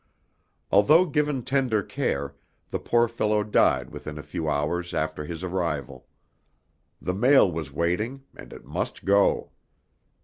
Although given tender care, the poor fellow died within a few hours after his arrival. The mail was waiting and it must go.